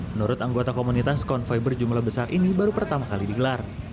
menurut anggota komunitas konvoy berjumlah besar ini baru pertama kali digelar